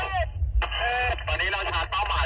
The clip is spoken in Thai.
แแคครี้นแล้วใช่มั้ง